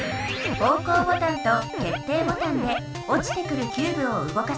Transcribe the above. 方向ボタンと決定ボタンでおちてくるキューブを動かしましょう。